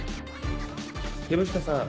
薮下さん